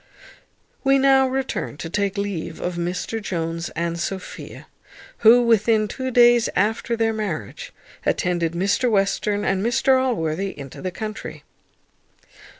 We now return to take leave of Mr Jones and Sophia, who, within two days after their marriage, attended Mr Western and Mr Allworthy into the country.